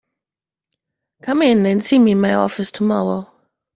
Come in and see me in my office tomorrow.